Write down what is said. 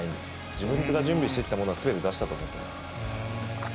自分が準備してたものはすべて出したと思ってます。